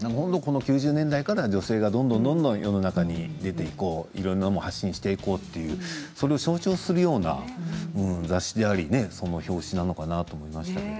９０年代から女性がどんどんどんどん世の中に出ていこういろんなものを発信していこうという象徴するような雑誌であり表紙なのかなと思いましたけど。